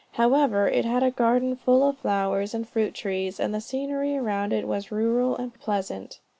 However, it had a garden full of flowers and fruit trees, and the scenery around it was rural and pleasant.